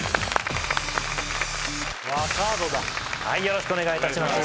よろしくお願いします。